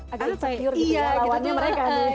agak insecure gitu ya lawannya mereka